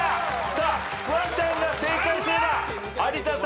さあフワちゃんが正解すれば有田さん初の優勝か？